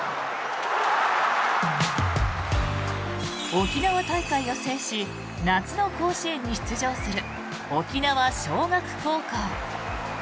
沖縄大会を制し夏の甲子園に出場する沖縄尚学高校。